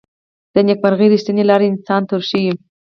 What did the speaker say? د نیکمرغۍ ریښتینې لاره انسان ته ورښيي.